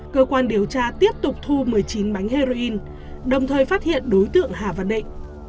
cơ quan điều tra tiếp tục thu một mươi chín bánh heroin đồng thời phát hiện đối tượng hà văn định